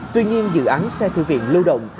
tuy nhiên dự án xe thư viện lưu động